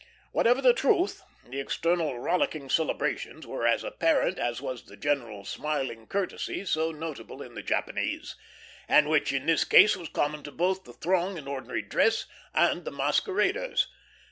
Whatever the truth, the external rollicking celebrations were as apparent as was the general smiling courtesy so noticeable in the Japanese, and which in this case was common to both the throng in ordinary dress and the masqueraders.